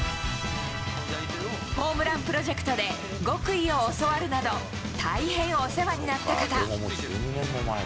ホームランプロジェクトで極意を教わるなど、大変お世話になった方。